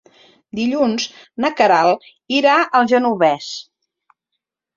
Dilluns na Queralt irà al Genovés.